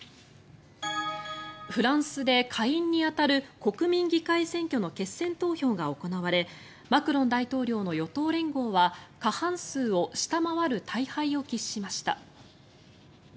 フランスで下院に当たる国民議会選挙の決選投票が行われマクロン大統領の与党連合は過半数を下回る大敗を喫しました。